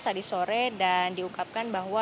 tadi sore dan diungkapkan bahwa